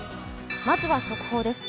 まずは速報です。